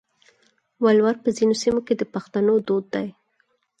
ولور په ځینو سیمو کې د پښتنو دود دی.